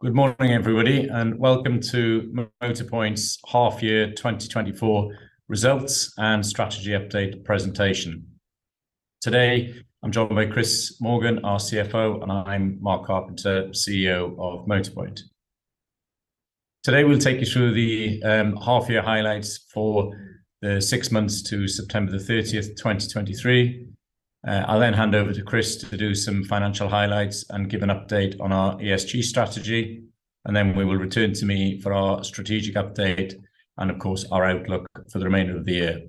Good morning, everybody, and welcome to Motorpoint's half year 2024 results and strategy update presentation. Today, I'm joined by Chris Morgan, our CFO, and I'm Mark Carpenter, CEO of Motorpoint. Today, we'll take you through the half year highlights for the six months to September 30, 2023. I'll then hand over to Chris to do some financial highlights and give an update on our ESG strategy, and then we will return to me for our strategic update and of course, our outlook for the remainder of the year.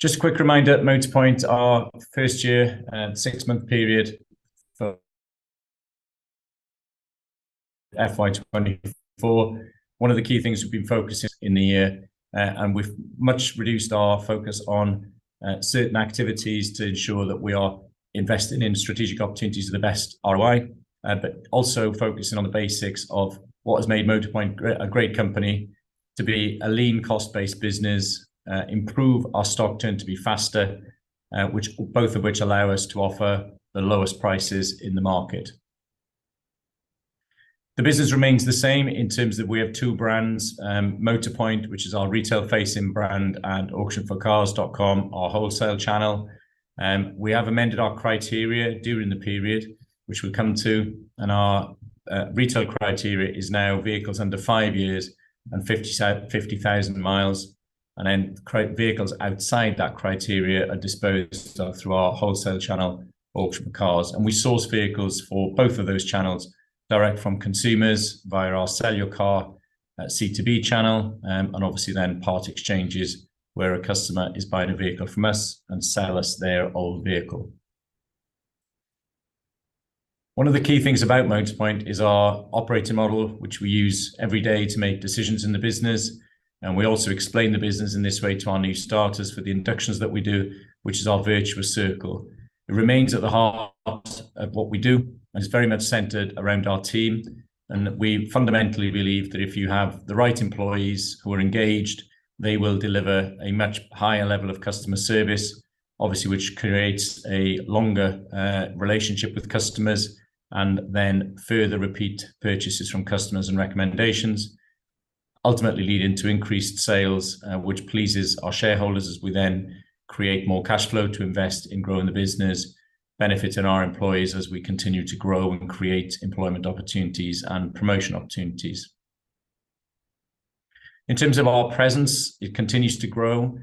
Just a quick reminder, Motorpoint, our first year and six-month period for FY 2024, one of the key things we've been focusing in the year, and we've much reduced our focus on certain activities to ensure that we are investing in strategic opportunities to the best ROI. But also focusing on the basics of what has made Motorpoint a great company to be a lean, cost-based business, improve our stock turn to be faster, which both of which allow us to offer the lowest prices in the market. The business remains the same in terms of we have two brands, Motorpoint, which is our retail-facing brand, and Auction4Cars.com, our wholesale channel. We have amended our criteria during the period, which we'll come to, and our retail criteria is now vehicles under five years and 50,000 miles, and then vehicles outside that criteria are disposed of through our wholesale channel, Auction4Cars.com. We source vehicles for both of those channels direct from consumers via our Sell Your Car, C2B channel, and obviously then part exchanges, where a customer is buying a vehicle from us and sell us their old vehicle. One of the key things about Motorpoint is our operating model, which we use every day to make decisions in the business. We also explain the business in this way to our new starters for the inductions that we do, which is our virtuous circle. It remains at the heart of what we do, and it's very much centered around our team, and we fundamentally believe that if you have the right employees who are engaged, they will deliver a much higher level of customer service, obviously, which creates a longer relationship with customers, and then further repeat purchases from customers and recommendations. Ultimately leading to increased sales, which pleases our shareholders as we then create more cash flow to invest in growing the business, benefiting our employees as we continue to grow and create employment opportunities and promotion opportunities. In terms of our presence, it continues to grow.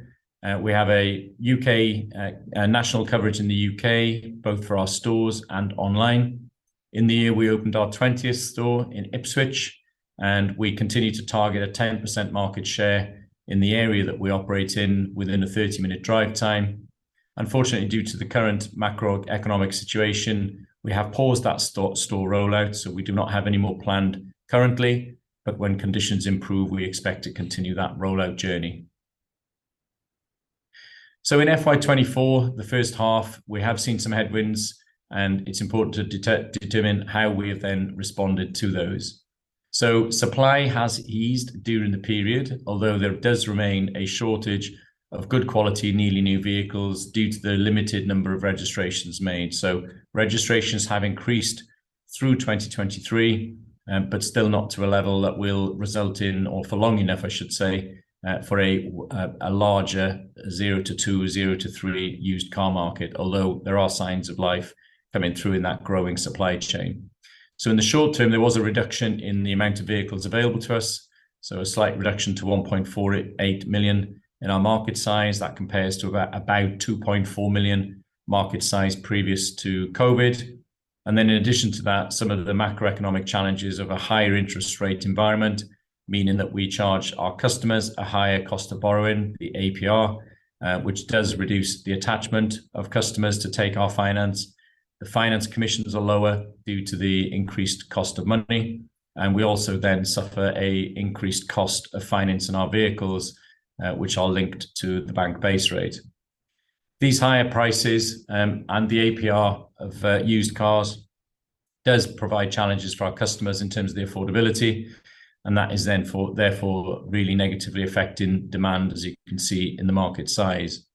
We have a U.K. national coverage in the U.K., both for our stores and online. In the year, we opened our 20th store in Ipswich, and we continue to target a 10% market share in the area that we operate in within a 30-minute drive time. Unfortunately, due to the current macroeconomic situation, we have paused that store rollout, so we do not have any more planned currently, but when conditions improve, we expect to continue that rollout journey. So in FY 2024, the first half, we have seen some headwinds, and it's important to determine how we have then responded to those. So supply has eased during the period, although there does remain a shortage of good quality, nearly new vehicles, due to the limited number of registrations made. So registrations have increased through 2023, but still not to a level that will result in or for long enough, I should say, for a larger 0-2, 0-3 used car market. Although there are signs of life coming through in that growing supply chain. So in the short term, there was a reduction in the amount of vehicles available to us, so a slight reduction to 1.48 million in our market size. That compares to about 2.4 million market size previous to COVID. In addition to that, some of the macroeconomic challenges of a higher interest rate environment, meaning that we charge our customers a higher cost of borrowing, the APR, which does reduce the attachment of customers to take our finance. The finance commissions are lower due to the increased cost of money, and we also then suffer an increased cost of finance in our vehicles, which are linked to the bank base rate. These higher prices and the APR of used cars does provide challenges for our customers in terms of the affordability, and that is then therefore really negatively affecting demand, as you can see in the market size.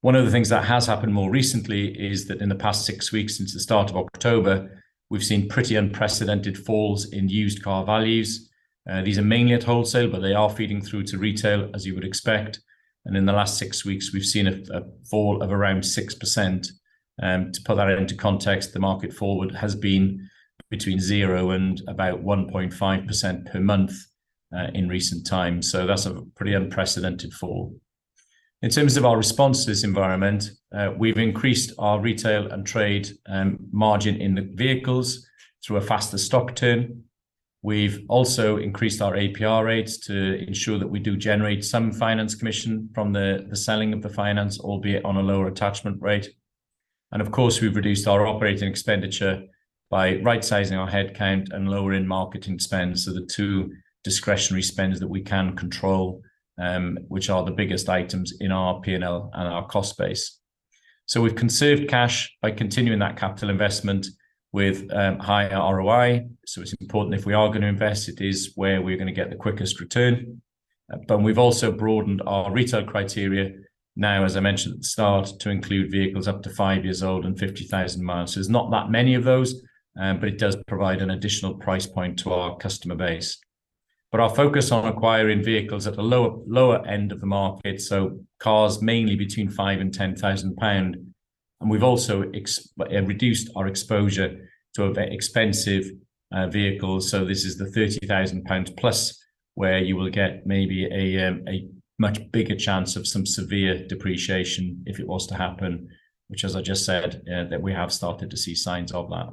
One of the things that has happened more recently is that in the past six weeks, since the start of October, we've seen pretty unprecedented falls in used car values. These are mainly at wholesale, but they are feeding through to retail, as you would expect. In the last six weeks, we've seen a fall of around 6%. To put that into context, the market forward has been between 0 and about 1.5% per month in recent times. So that's a pretty unprecedented fall. In terms of our response to this environment, we've increased our retail and trade margin in the vehicles through a faster stock turn. We've also increased our APR rates to ensure that we do generate some finance commission from the selling of the finance, albeit on a lower attachment rate. And of course, we've reduced our operating expenditure by right-sizing our headcount and lowering marketing spends. So the two discretionary spends that we can control, which are the biggest items in our P&L and our cost base. So we've conserved cash by continuing that capital investment with higher ROI. So it's important if we are going to invest, it is where we're going to get the quickest return. But we've also broadened our retail criteria now, as I mentioned at the start, to include vehicles up to 5 years old and 50,000 miles. So there's not that many of those, but it does provide an additional price point to our customer base. But our focus on acquiring vehicles at the lower, lower end of the market, so cars mainly between 5,000 to 10,000 pound, and we've also reduced our exposure to very expensive vehicles. So this is the 30,000 pounds plus, where you will get maybe a, a much bigger chance of some severe depreciation if it was to happen, which, as I just said, that we have started to see signs of that.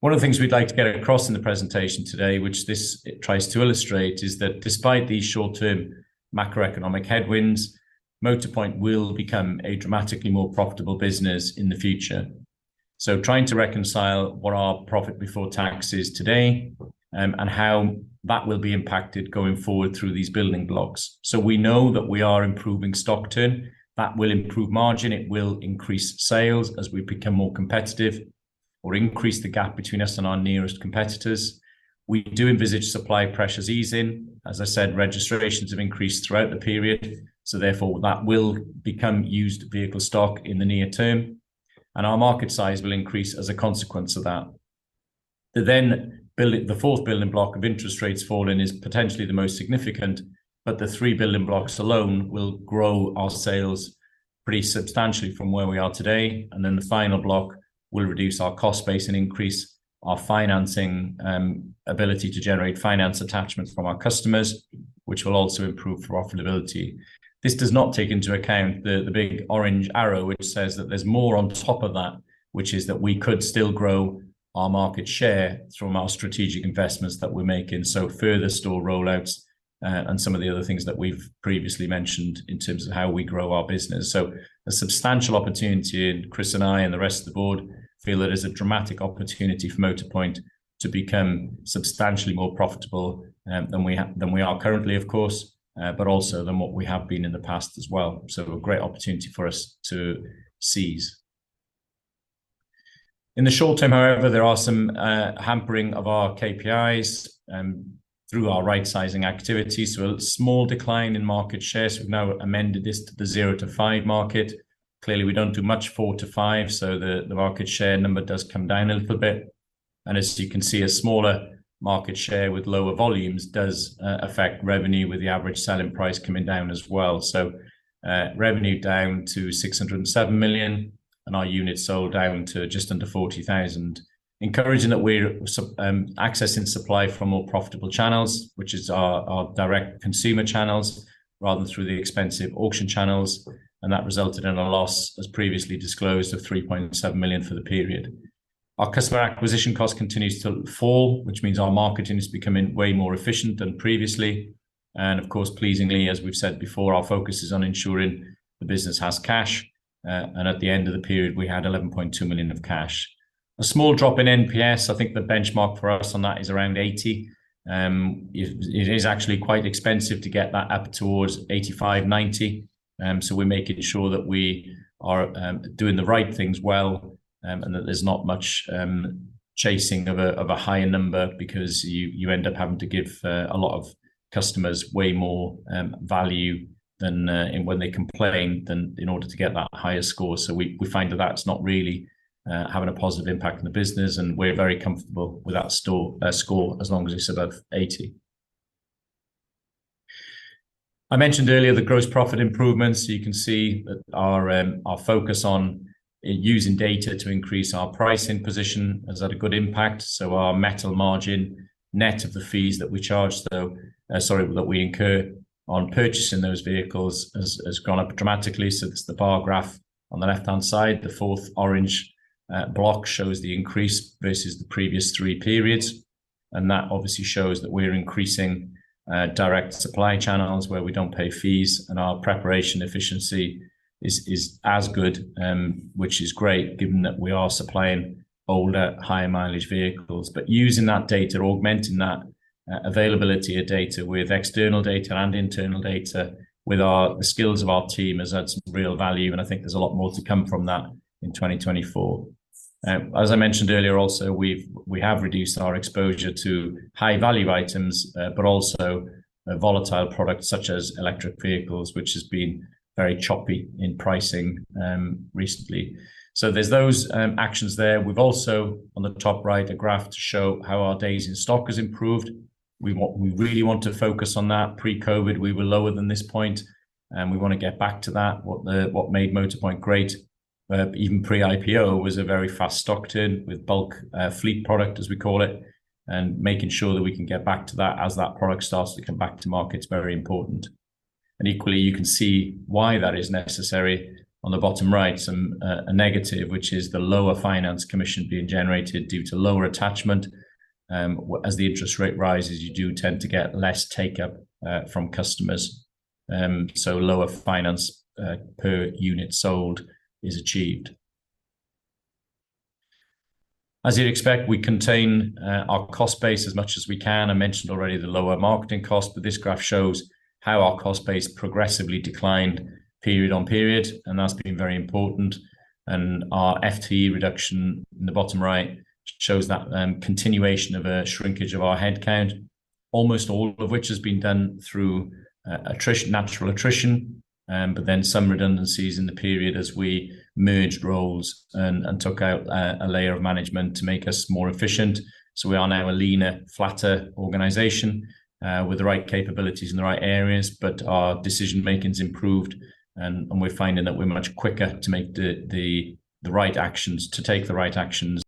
One of the things we'd like to get across in the presentation today, which this tries to illustrate, is that despite these short-term macroeconomic headwinds, Motorpoint will become a dramatically more profitable business in the future. So trying to reconcile what our profit before tax is today, and how that will be impacted going forward through these building blocks. So we know that we are improving stock turn. That will improve margin, it will increase sales as we become more competitive or increase the gap between us and our nearest competitors. We do envisage supply pressures easing. As I said, registrations have increased throughout the period, so therefore, that will become used vehicle stock in the near term, and our market size will increase as a consequence of that. The fourth building block of interest rates falling is potentially the most significant, but the three building blocks alone will grow our sales pretty substantially from where we are today, and then the final block will reduce our cost base and increase our financing ability to generate finance attachments from our customers, which will also improve profitability. This does not take into account the big orange arrow, which says that there's more on top of that, which is that we could still grow our market share from our strategic investments that we're making. So further store rollouts, and some of the other things that we've previously mentioned in terms of how we grow our business. So a substantial opportunity, and Chris and I and the rest of the board feel it is a dramatic opportunity for Motorpoint to become substantially more profitable, than we are currently, of course, but also than what we have been in the past as well. So a great opportunity for us to seize. In the short term, however, there are some hampering of our KPIs, through our right sizing activities. So a small decline in market share. So we've now amended this to the 0 to 5 market. Clearly, we don't do much 4 to 5, so the market share number does come down a little bit. As you can see, a smaller market share with lower volumes does affect revenue, with the average selling price coming down as well. So, revenue down to 607 million, and our units sold down to just under 40,000. Encouraging that we're accessing supply from more profitable channels, which is our direct consumer channels, rather than through the expensive auction channels, and that resulted in a loss, as previously disclosed, of 3.7 million for the period. Our customer acquisition cost continues to fall, which means our marketing is becoming way more efficient than previously. And of course, pleasingly, as we've said before, our focus is on ensuring the business has cash, and at the end of the period, we had 11.2 million of cash. A small drop in NPS. I think the benchmark for us on that is around 80. It is actually quite expensive to get that up towards 85, 90. So we're making sure that we are doing the right things well, and that there's not much chasing of a higher number because you end up having to give a lot of customers way more value than when they complain than in order to get that higher score. So we find that that's not really having a positive impact on the business, and we're very comfortable with that score, as long as it's above 80. I mentioned earlier the gross profit improvements. You can see that our focus on using data to increase our pricing position has had a good impact. So our metal margin, net of the fees that we incur on purchasing those vehicles has gone up dramatically. So that's the bar graph on the left-hand side. The fourth orange block shows the increase versus the previous three periods, and that obviously shows that we're increasing direct supply channels where we don't pay fees, and our preparation efficiency is as good. Which is great given that we are supplying older, higher mileage vehicles. But using that data, augmenting that availability of data with external data and internal data, with the skills of our team has had some real value, and I think there's a lot more to come from that in 2024. As I mentioned earlier, also, we've reduced our exposure to high-value items, but also volatile products such as electric vehicles, which has been very choppy in pricing recently. So there's those actions there. We've also on the top right, a graph to show how our days in stock has improved. We really want to focus on that. Pre-COVID, we were lower than this point, and we wanna get back to that. What made Motorpoint great, even pre-IPO, was a very fast stock turn with bulk fleet product, as we call it, and making sure that we can get back to that as that product starts to come back to market is very important. And equally, you can see why that is necessary. On the bottom right, some a negative, which is the lower finance commission being generated due to lower attachment. As the interest rate rises, you do tend to get less takeup from customers, so lower finance per unit sold is achieved. As you'd expect, we contain our cost base as much as we can. I mentioned already the lower marketing cost, but this graph shows how our cost base progressively declined period on period, and that's been very important. And our FTE reduction in the bottom right shows that continuation of a shrinkage of our headcount, almost all of which has been done through attrition, natural attrition. But then some redundancies in the period as we merged roles and took out a layer of management to make us more efficient. So we are now a leaner, flatter organization with the right capabilities in the right areas, but our decision-making's improved, and we're finding that we're much quicker to make the right actions, to take the right actions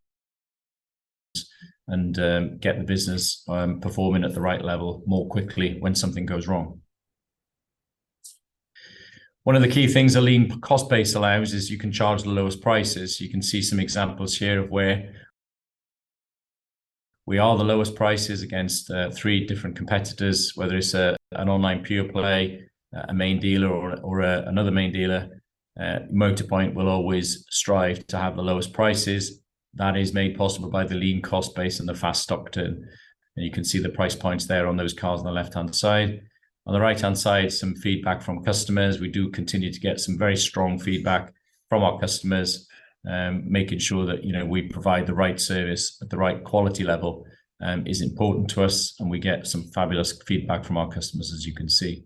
and get the business performing at the right level more quickly when something goes wrong. One of the key things a lean cost base allows is you can charge the lowest prices. You can see some examples here of where we are the lowest prices against three different competitors, whether it's an online pure play, a main dealer or another main dealer. Motorpoint will always strive to have the lowest prices. That is made possible by the lean cost base and the fast stock turn, and you can see the price points there on those cars on the left-hand side. On the right-hand side, some feedback from customers. We do continue to get some very strong feedback from our customers. Making sure that, you know, we provide the right service at the right quality level is important to us, and we get some fabulous feedback from our customers, as you can see.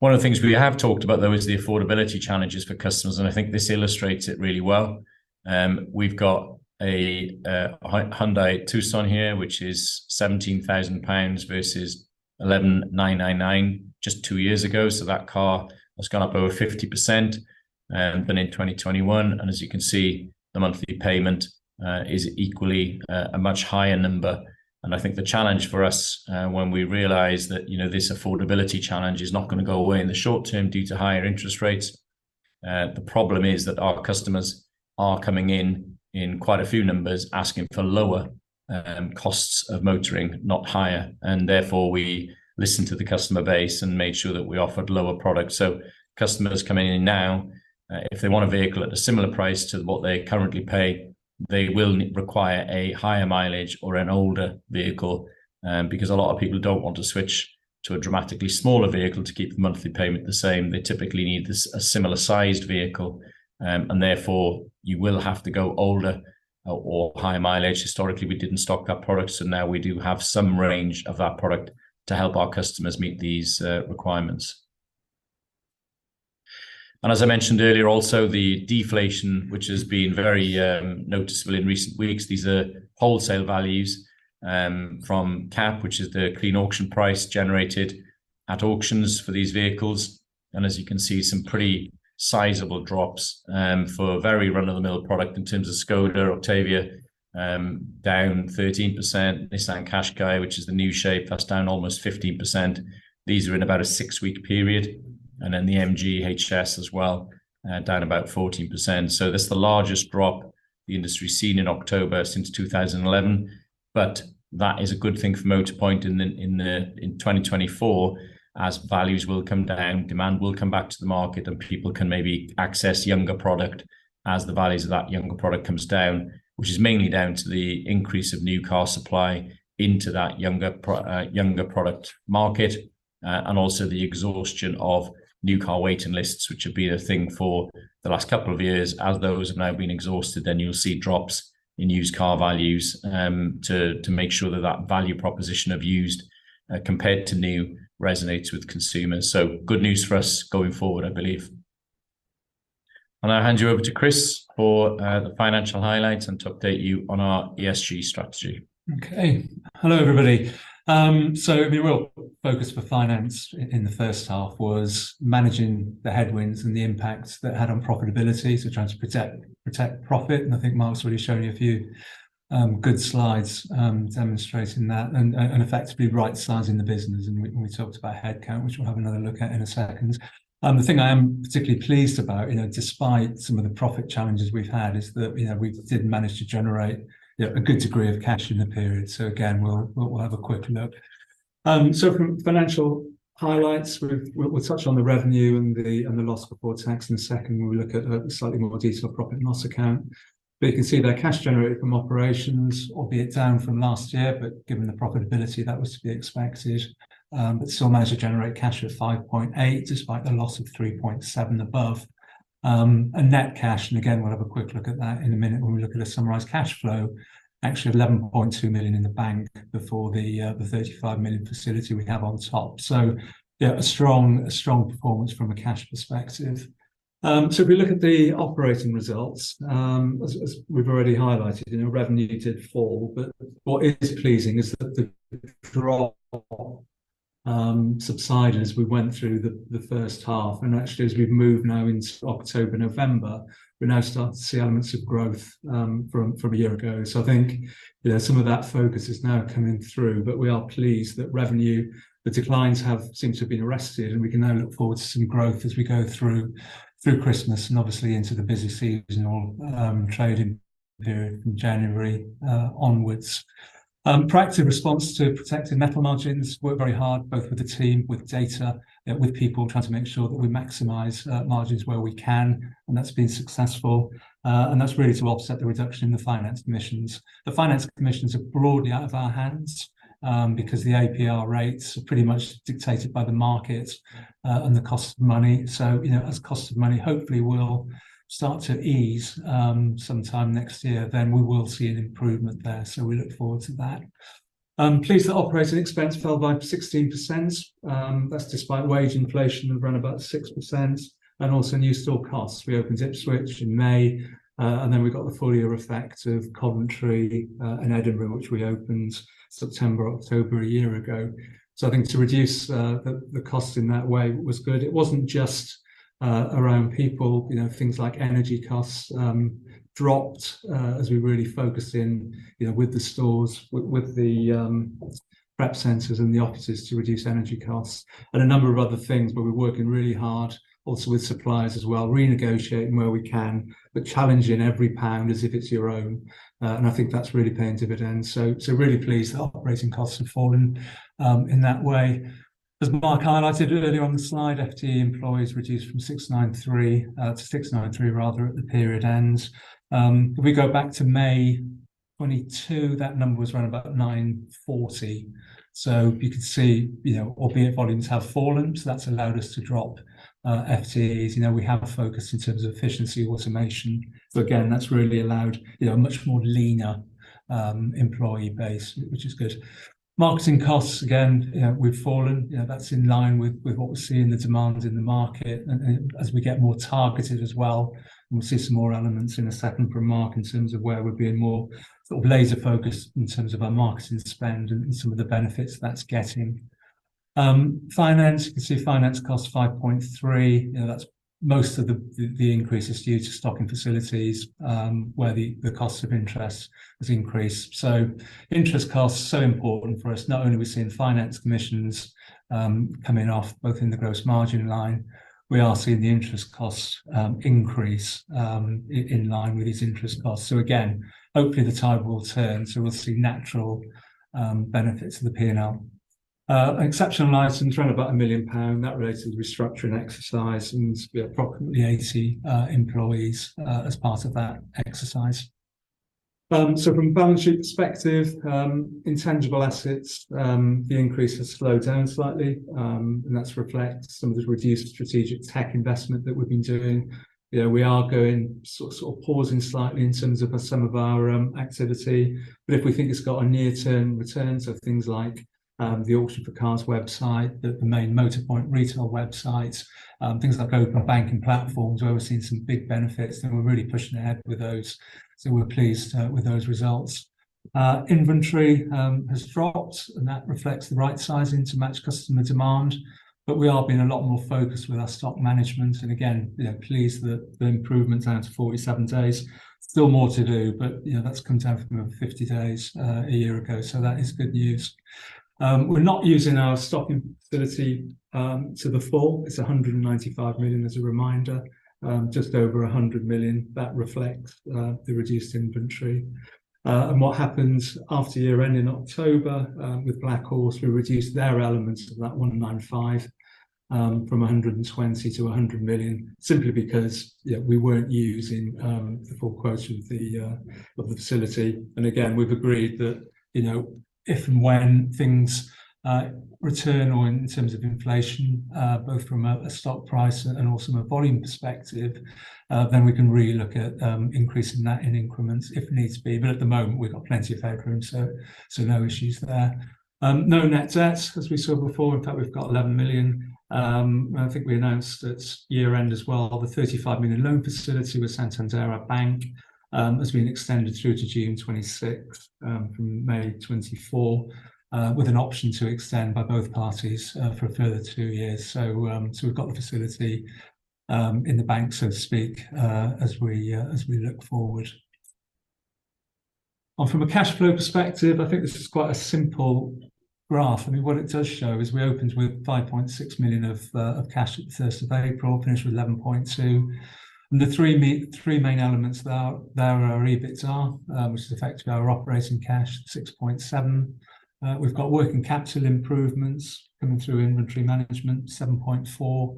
One of the things we have talked about, though, is the affordability challenges for customers, and I think this illustrates it really well. We've got a Hyundai Tucson here, which is 17,000 pounds versus 11,999 just two years ago. So that car has gone up over 50% than in 2021, and as you can see, the monthly payment is equally a much higher number. I think the challenge for us, when we realize that, you know, this affordability challenge is not gonna go away in the short term due to higher interest rates. The problem is that our customers are coming in, in quite a few numbers, asking for lower, costs of motoring, not higher, and therefore, we listened to the customer base and made sure that we offered lower products. So customers coming in now, if they want a vehicle at a similar price to what they currently pay, they will require a higher mileage or an older vehicle. Because a lot of people don't want to switch to a dramatically smaller vehicle to keep the monthly payment the same. They typically need a similar-sized vehicle, and therefore, you will have to go older or higher mileage. Historically, we didn't stock that product, so now we do have some range of that product to help our customers meet these requirements. As I mentioned earlier, also, the deflation, which has been very noticeable in recent weeks. These are wholesale values from cap hpi, which is the clean auction price generated at auctions for these vehicles, and as you can see, some pretty sizable drops for a very run-of-the-mill product in terms of Škoda Octavia down 13%. Nissan Qashqai, which is the new shape, that's down almost 15%. These are in about a six-week period, and then the MG HS as well, down about 14%. That's the largest drop the industry's seen in October since 2011. That is a good thing for Motorpoint in the, in the... In 2024, as values will come down, demand will come back to the market, and people can maybe access younger product as the values of that younger product comes down. Which is mainly down to the increase of new car supply into that younger product market, and also the exhaustion of new car waiting lists, which have been a thing for the last couple of years. As those have now been exhausted, then you'll see drops in used car values, to make sure that that value proposition of used, compared to new resonates with consumers. So good news for us going forward, I believe. And I'll hand you over to Chris for, the financial highlights and to update you on our ESG strategy. Okay. Hello, everybody. So the real focus for finance in the first half was managing the headwinds and the impact that had on profitability, so trying to protect profit, and I think Mark's already shown you a few good slides demonstrating that and effectively right-sizing the business. And we talked about headcount, which we'll have another look at in a second. The thing I am particularly pleased about, you know, despite some of the profit challenges we've had, is that, you know, we did manage to generate, you know, a good degree of cash in the period. So again, we'll have a quick look. So from financial highlights, we'll touch on the revenue and the loss before tax in a second, when we look at a slightly more detailed profit and loss account. But you can see there, cash generated from operations, albeit down from last year, but given the profitability, that was to be expected. But still managed to generate cash of 5.8 million, despite the loss of 3.7 million above. And net cash, and again, we'll have a quick look at that in a minute when we look at a summarized cash flow. Actually, 11.2 million in the bank before the 35 million facility we have on top. So yeah, a strong, a strong performance from a cash perspective. So if we look at the operating results, as we've already highlighted, you know, revenue did fall, but what is pleasing is that the drop subsided as we went through the first half. Actually, as we've moved now into October, November, we're now starting to see elements of growth from a year ago. So I think, yeah, some of that focus is now coming through, but we are pleased that revenue, the declines have seem to have been arrested, and we can now look forward to some growth as we go through Christmas and obviously into the busy seasonal trading period from January onwards. Proactive response to protecting net margins. Worked very hard, both with the team, with data, with people, trying to make sure that we maximize margins where we can, and that's been successful. And that's really to offset the reduction in the finance commissions. The finance commissions are broadly out of our hands, because the APR rates are pretty much dictated by the market, and the cost of money. So, you know, as cost of money hopefully will start to ease, sometime next year, then we will see an improvement there. So we look forward to that. Pleased that operating expense fell by 16%. That's despite wage inflation of around about 6%, and also new store costs. We opened Ipswich in May, and then we got the full year effect of Coventry, and Edinburgh, which we opened September, October a year ago. So I think to reduce the cost in that way was good. It wasn't just around people, you know, things like energy costs dropped as we really focused in, you know, with the stores, with, with the prep centres and the offices to reduce energy costs, and a number of other things. But we're working really hard also with suppliers as well, renegotiating where we can, but challenging every pound as if it's your own. And I think that's really paying dividends. So, so really pleased that operating costs have fallen in that way. As Mark highlighted earlier on the slide, FTE employees reduced from 693 to 693 rather, at the period end. If we go back to May 2022, that number was around about 940. So you can see, you know, albeit volumes have fallen, so that's allowed us to drop FTEs. You know, we have a focus in terms of efficiency, automation, but again, that's really allowed, you know, a much more leaner employee base, which is good. Marketing costs, again, you know, we've fallen. You know, that's in line with what we're seeing the demand in the market, and as we get more targeted as well, and we'll see some more elements in a second from Mark in terms of where we're being more sort of laser focused in terms of our marketing spend and some of the benefits that's getting. Finance, you can see finance costs 5.3. You know, that's most of the increase is due to stocking facilities, where the cost of interest has increased. So interest costs are so important for us. Not only are we seeing finance commissions coming off, both in the gross margin line, we are seeing the interest costs increase in line with these interest costs. So again, hopefully the tide will turn, so we'll see natural benefits to the P&L. Exceptional items around about 1 million pound. That relates to restructuring exercise, and we appropriately axed employees as part of that exercise. So from a balance sheet perspective, intangible assets, the increase has slowed down slightly, and that reflects some of the reduced strategic tech investment that we've been doing. You know, we are going sort of, sort of pausing slightly in terms of some of our activity, but if we think it's got a near-term return, so things like the Auction4Cars website, the main Motorpoint retail website, things like Open Banking platforms, where we're seeing some big benefits, then we're really pushing ahead with those. So we're pleased with those results. Inventory has dropped, and that reflects the right sizing to match customer demand, but we are being a lot more focused with our stock management. And again, yeah, pleased that the improvement down to 47 days. Still more to do, but you know, that's come down from about 50 days a year ago, so that is good news. We're not using our stock facility to the full. It's 195 million, as a reminder, just over 100 million. That reflects the reduced inventory. And what happened after year end in October, with Black Horse, we reduced their elements to that 195, from 120 million to 100 million, simply because, you know, we weren't using the full quotient of the facility. And again, we've agreed that, you know, if and when things return or in terms of inflation, both from a stock price and also a volume perspective, then we can re-look at increasing that in increments if needs be. But at the moment, we've got plenty of headroom, so no issues there. No net debts, as we saw before. In fact, we've got 11 million. I think we announced it's year end as well. The 35 million loan facility with Santander Bank has been extended through to June 2026, from May 2024, with an option to extend by both parties for a further two years. So, so we've got the facility in the bank, so to speak, as we as we look forward. And from a cash flow perspective, I think this is quite a simple graph. I mean, what it does show is we opened with 5.6 million of cash at Thursday, April, finished with 11.2 million. And the three main elements there, there are our EBITDA, which is effectively our operating cash, 6.7 million. We've got working capital improvements coming through inventory management, 7.4,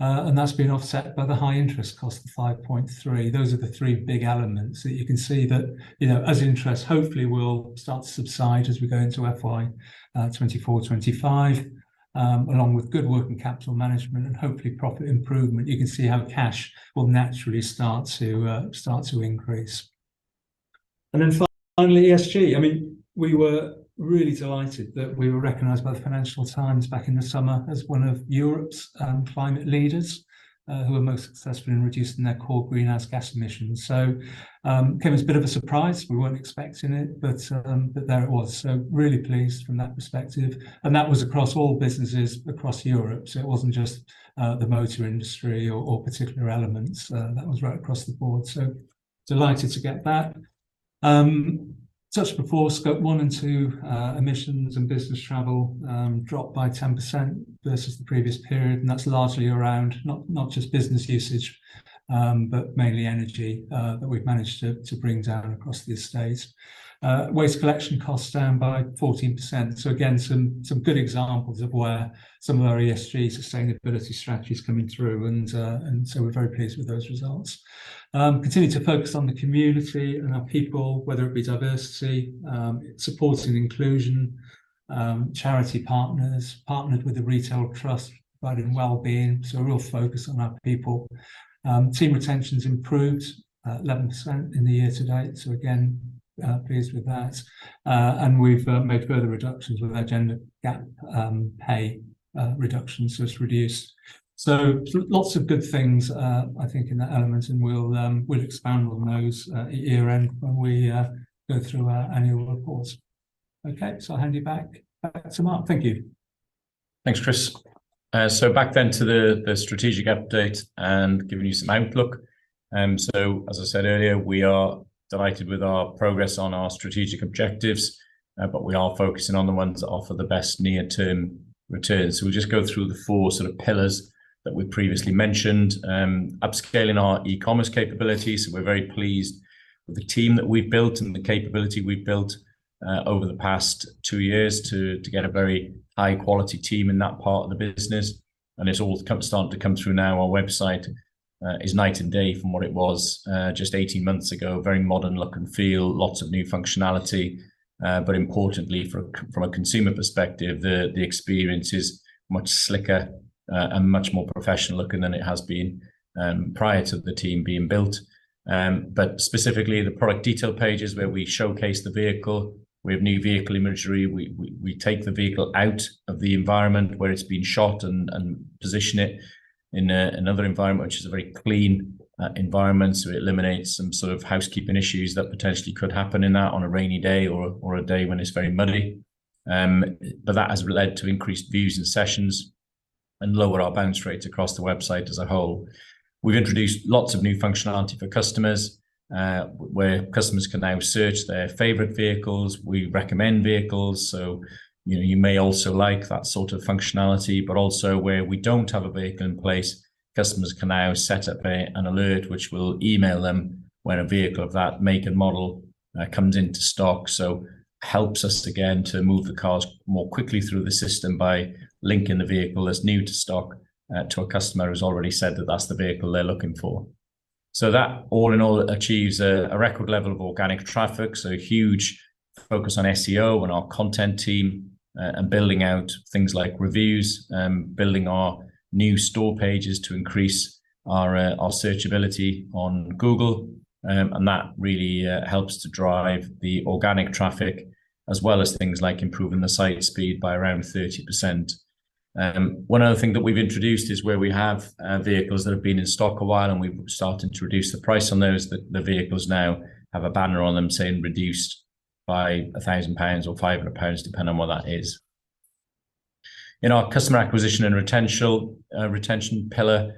and that's been offset by the high interest cost of 5.3. Those are the three big elements that you can see that, you know, as interest hopefully will start to subside as we go into FY 2024 to 2025, along with good working capital management and hopefully profit improvement, you can see how cash will naturally start to start to increase. And then finally, ESG. I mean, we were really delighted that we were recognized by the Financial Times back in the summer as one of Europe's climate leaders who are most successful in reducing their core greenhouse gas emissions. So, it came as a bit of a surprise. We weren't expecting it, but, but there it was, so really pleased from that perspective. That was across all businesses across Europe, so it wasn't just the motor industry or particular elements. That was right across the board, so delighted to get that. Touched before, Scope 1 and 2 emissions and business travel dropped by 10% versus the previous period, and that's largely around not just business usage, but mainly energy that we've managed to bring down across the estate. Waste collection costs down by 14%. So again, some good examples of where some of our ESG sustainability strategy is coming through, and so we're very pleased with those results. Continue to focus on the community and our people, whether it be diversity, supporting inclusion. Charity partners, partnered with the Retail Trust, right in wellbeing. So a real focus on our people. Team retention's improved 11% in the year to date, so again, pleased with that. And we've made further reductions with our gender gap pay reductions, so it's reduced. So lots of good things, I think in that element, and we'll expand on those year-end when we go through our annual reports. Okay, so I'll hand you back to Mark. Thank you. Thanks, Chris. So back then to the strategic update and giving you some outlook. So as I said earlier, we are delighted with our progress on our strategic objectives, but we are focusing on the ones that offer the best near-term returns. So we'll just go through the four sort of pillars that we previously mentioned. Upscaling our e-commerce capabilities. We're very pleased with the team that we've built and the capability we've built over the past two years to get a very high quality team in that part of the business, and it's all come, started to come through now. Our website is night and day from what it was just eighteen months ago. Very modern look and feel, lots of new functionality, but importantly from a consumer perspective, the experience is much slicker, and much more professional looking than it has been, prior to the team being built. But specifically, the product detail pages where we showcase the vehicle, we have new vehicle imagery. We take the vehicle out of the environment where it's been shot and position it in another environment, which is a very clean environment. So it eliminates some sort of housekeeping issues that potentially could happen in that on a rainy day or a day when it's very muddy. But that has led to increased views and sessions and lower our bounce rates across the website as a whole. We've introduced lots of new functionality for customers, where customers can now search their favorite vehicles. We recommend vehicles, so, you know, you may also like that sort of functionality, but also where we don't have a vehicle in place, customers can now set up an alert, which will email them when a vehicle of that make and model comes into stock. So helps us again, to move the cars more quickly through the system by linking the vehicle that's new to stock to a customer who's already said that that's the vehicle they're looking for. So that, all in all, achieves a record level of organic traffic, so a huge focus on SEO and our content team, and building out things like reviews, building our new store pages to increase our searchability on Google. And that really helps to drive the organic traffic, as well as things like improving the site speed by around 30%. One other thing that we've introduced is where we have vehicles that have been in stock a while, and we've started to reduce the price on those. The vehicles now have a banner on them saying, "Reduced by 1,000 pounds or 500 pounds," depending on what that is. In our customer acquisition and retention pillar,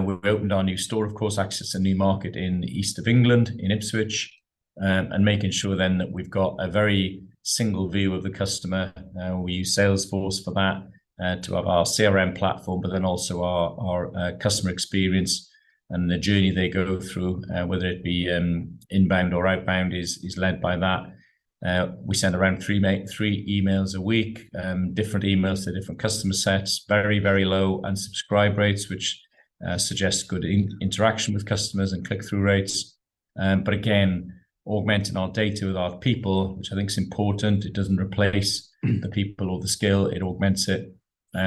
we've opened our new store, of course, access a new market in the East of England, in Ipswich, and making sure then that we've got a very single view of the customer. We use Salesforce for that, to have our CRM platform, but then also our customer experience and the journey they go through, whether it be inbound or outbound, is led by that. We send around three main emails a week, different emails to different customer sets. Very, very low unsubscribe rates, which suggests good interaction with customers and click-through rates. But again, augmenting our data with our people, which I think is important. It doesn't replace the people or the skill, it augments it,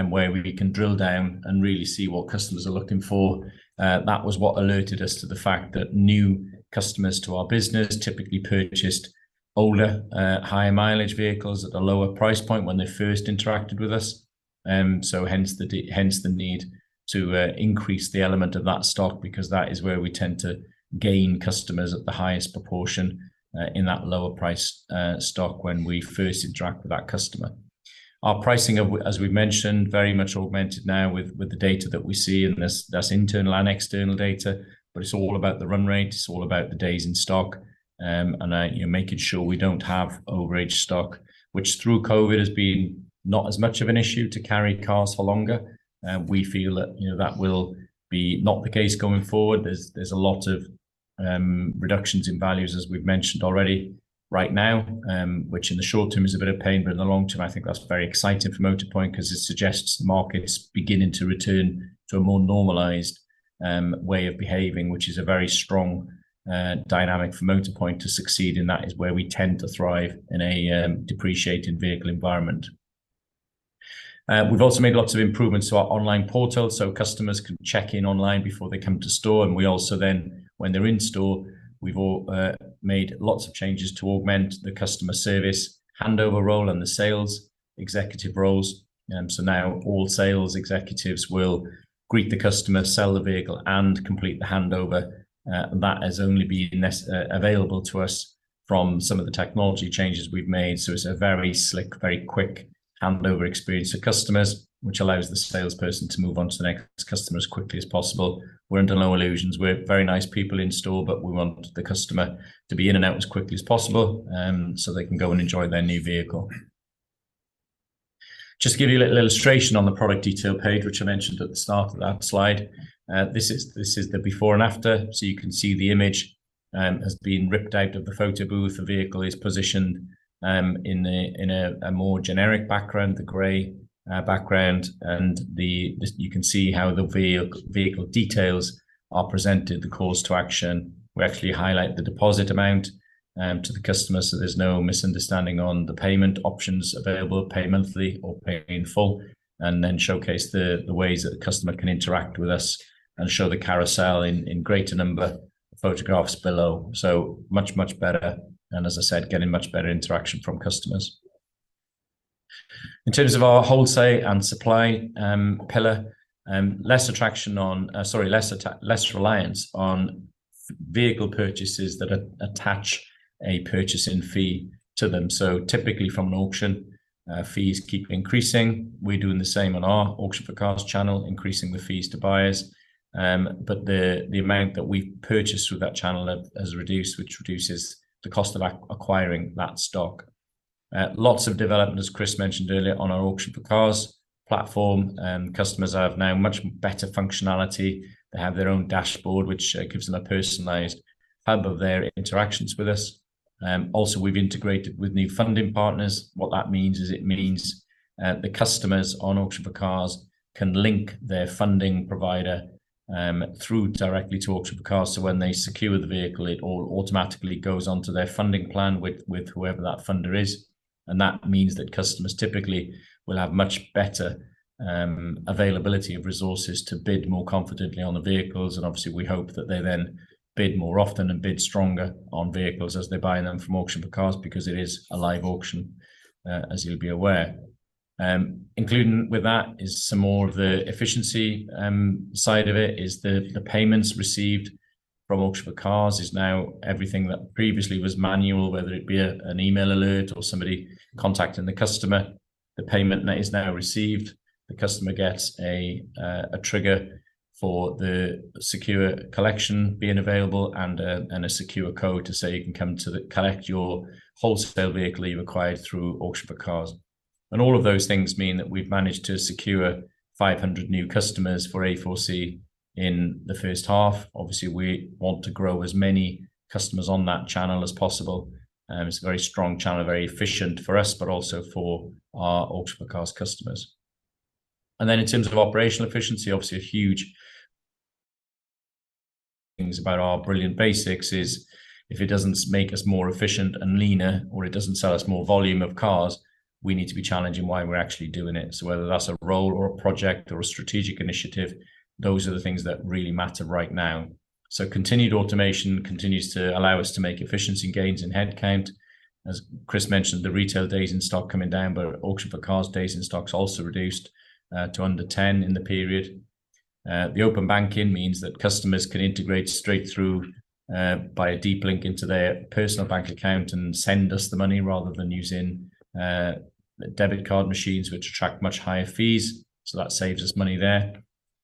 where we can drill down and really see what customers are looking for. That was what alerted us to the fact that new customers to our business typically purchased older, higher mileage vehicles at a lower price point when they first interacted with us. So hence the need to increase the element of that stock, because that is where we tend to gain customers at the highest proportion in that lower price stock, when we first interact with that customer. Our pricing of, as we've mentioned, very much augmented now with the data that we see, and that's internal and external data. But it's all about the run rate, it's all about the days in stock, and you know, making sure we don't have overage stock, which through COVID has been not as much of an issue to carry cars for longer. We feel that, you know, that will be not the case going forward. There's a lot of reductions in values, as we've mentioned already right now, which in the short term is a bit of pain, but in the long term, I think that's very exciting for Motorpoint, 'cause it suggests the market's beginning to return to a more normalized way of behaving, which is a very strong dynamic for Motorpoint to succeed in. That is where we tend to thrive, in a depreciated vehicle environment. We've also made lots of improvements to our online portal, so customers can check in online before they come to store, and we also then, when they're in store, we've all made lots of changes to augment the customer service handover role and the sales executive roles. So now all sales executives will greet the customer, sell the vehicle, and complete the handover. That has only been recently available to us from some of the technology changes we've made. So it's a very slick, very quick handover experience for customers, which allows the salesperson to move on to the next customer as quickly as possible. We're under no illusions. We're very nice people in store, but we want the customer to be in and out as quickly as possible, so they can go and enjoy their new vehicle. Just to give you a little illustration on the product detail page, which I mentioned at the start of that slide. This is the before and after. So you can see the image has been ripped out of the photo booth. The vehicle is positioned in a more generic background, the gray background, and you can see how the vehicle details are presented, the calls to action. We actually highlight the deposit amount to the customers, so there's no misunderstanding on the payment options available, pay monthly or pay in full. And then showcase the ways that the customer can interact with us and show the carousel in greater number of photographs below. So much better, and as I said, getting much better interaction from customers. In terms of our wholesale and supply pillar, less reliance on vehicle purchases that attach a purchasing fee to them. So typically from an auction, fees keep increasing. We're doing the same on our Auction4Cars channel, increasing the fees to buyers. But the amount that we've purchased through that channel has reduced, which reduces the cost of acquiring that stock. Lots of development, as Chris mentioned earlier, on our Auction4Cars platform, customers have now much better functionality. They have their own dashboard, which gives them a personalized hub of their interactions with us. Also, we've integrated with new funding partners. What that means is the customers on Auction4Cars can link their funding provider through directly to Auction4Cars. So when they secure the vehicle, it all automatically goes onto their funding plan with whoever that funder is. And that means that customers typically will have much better availability of resources to bid more confidently on the vehicles. And obviously, we hope that they then bid more often and bid stronger on vehicles as they're buying them from Auction4Cars, because it is a live auction, as you'll be aware. Including with that is some more of the efficiency, side of it, is the payments received from Auction4Cars is now everything that previously was manual, whether it be an email alert or somebody contacting the customer. The payment that is now received, the customer gets a trigger for the secure collection being available and a secure code to say you can come to collect your wholesale vehicle you acquired through Auction4Cars. And all of those things mean that we've managed to secure 500 new customers for A4C in the first half. Obviously, we want to grow as many customers on that channel as possible. It's a very strong channel, very efficient for us, but also for our Auction4Cars customers. And then in terms of operational efficiency, obviously a huge... things about our brilliant basics is if it doesn't make us more efficient and leaner or it doesn't sell us more volume of cars, we need to be challenging why we're actually doing it. So whether that's a role or a project or a strategic initiative, those are the things that really matter right now. So continued automation continues to allow us to make efficiency gains in headcount. As Chris mentioned, the retail days in stock coming down, but Auction4Cars days in stock's also reduced to under 10 in the period. The Open Banking means that customers can integrate straight through by a deep link into their personal bank account and send us the money, rather than using debit card machines, which attract much higher fees. So that saves us money there.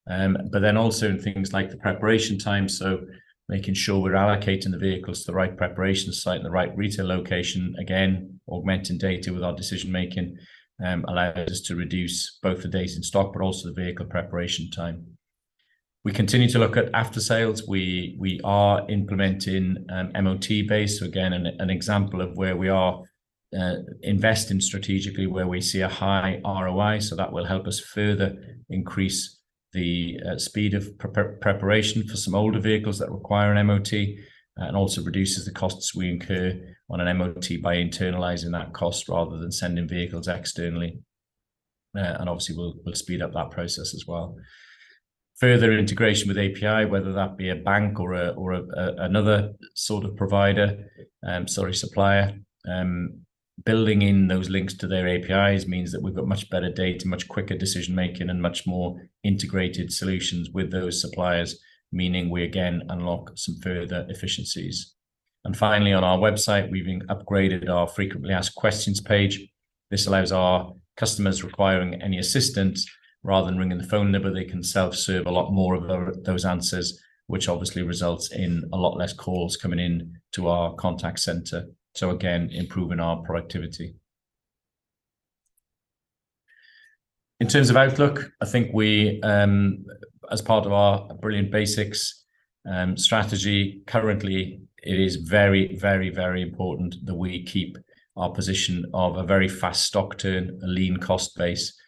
But then also in things like the preparation time, so making sure we're allocating the vehicles to the right preparation site and the right retail location. Again, augmenting data with our decision-making allows us to reduce both the days in stock but also the vehicle preparation time. We continue to look at aftersales. We are implementing MOT bays. So again, an example of where we are investing strategically, where we see a high ROI. So that will help us further increase the speed of preparation for some older vehicles that require an MOT, and also reduces the costs we incur on an MOT by internalizing that cost rather than sending vehicles externally. And obviously, we'll, we'll speed up that process as well. Further integration with API, whether that be a bank or another sort of provider, supplier. Building in those links to their APIs means that we've got much better data, much quicker decision-making, and much more integrated solutions with those suppliers, meaning we again unlock some further efficiencies. And finally, on our website, we've upgraded our frequently asked questions page. This allows our customers requiring any assistance, rather than ringing the phone number, they can self-serve a lot more of those, those answers, which obviously results in a lot less calls coming in to our contact center. So again, improving our productivity. In terms of outlook, I think we, as part of our brilliant basics, strategy, currently, it is very, very, very important that we keep our position of a very fast stock turn, a lean cost base,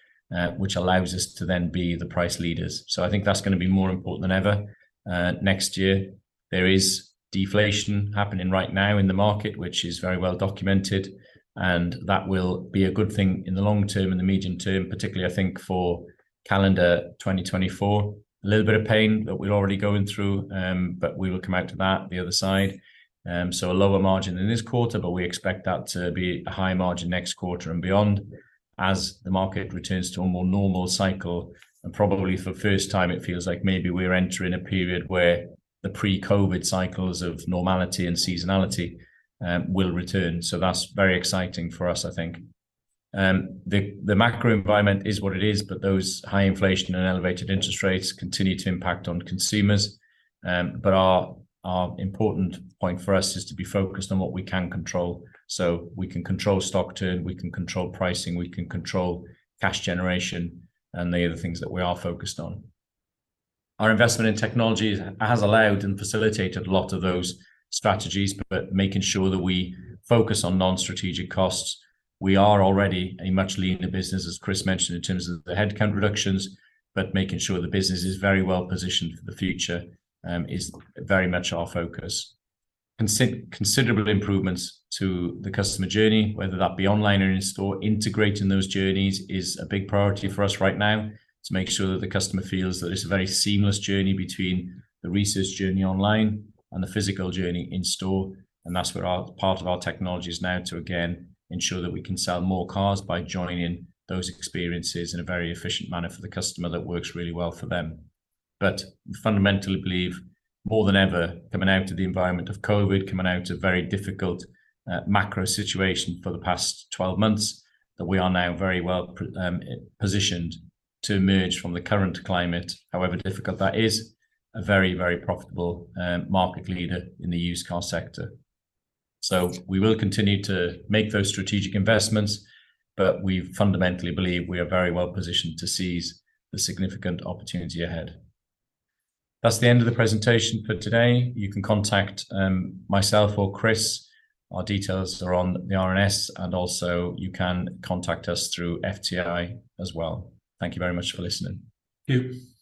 which allows us to then be the price leaders. So I think that's gonna be more important than ever, next year. There is deflation happening right now in the market, which is very well documented, and that will be a good thing in the long term, in the medium term, particularly, I think, for calendar 2024. A little bit of pain that we're already going through, but we will come out of that the other side. So a lower margin in this quarter, but we expect that to be a high margin next quarter and beyond, as the market returns to a more normal cycle. And probably for the first time, it feels like maybe we're entering a period where the pre-COVID cycles of normality and seasonality will return. So that's very exciting for us, I think. The macro environment is what it is, but those high inflation and elevated interest rates continue to impact on consumers. But our important point for us is to be focused on what we can control. So we can control stock turn, we can control pricing, we can control cash generation, and they are the things that we are focused on. Our investment in technology has allowed and facilitated a lot of those strategies, but making sure that we focus on non-strategic costs. We are already a much leaner business, as Chris mentioned, in terms of the headcount reductions, but making sure the business is very well positioned for the future is very much our focus. Considerable improvements to the customer journey, whether that be online or in store. Integrating those journeys is a big priority for us right now, to make sure that the customer feels that it's a very seamless journey between the research journey online and the physical journey in store. And that's where our part of our technology is now to, again, ensure that we can sell more cars by joining those experiences in a very efficient manner for the customer that works really well for them. But we fundamentally believe, more than ever, coming out of the environment of COVID, coming out of a very difficult, macro situation for the past 12 months, that we are now very well positioned to emerge from the current climate, however difficult that is, a very, very profitable, market leader in the used car sector. So we will continue to make those strategic investments, but we fundamentally believe we are very well positioned to seize the significant opportunity ahead. That's the end of the presentation for today. You can contact myself or Chris. Our details are on the RNS, and also you can contact us through FTI as well. Thank you very much for listening. Thank you.